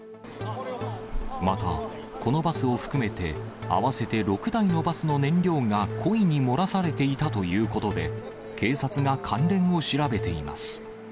また、このバスを含めて、合わせて６台のバスの燃料が故意に漏らされていたということで、警察が関連を調べています。